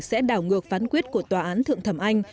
sẽ đảo ngược phán quyết của tòa án thượng thẩm anh